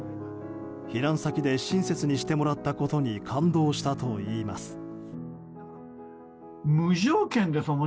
避難先で親切にしてもらったことに感動したといいます。